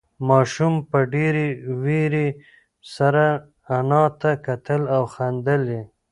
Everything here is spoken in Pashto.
ماشوم په ډېرې وېرې سره انا ته کتل او خندل یې.